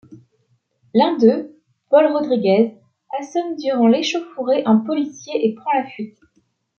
L'un d'eux, Paul Rodriguez, assomme durant l'échauffourée un policier et prend la fuite.